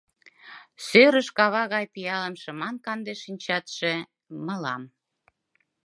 Сӧрыш кава гай пиалым шыман канде шинчатше мылам.